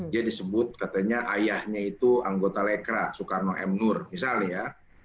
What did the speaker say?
dia disebut katanya ayahnya itu anggota lekra soekarno m nur misalnya ya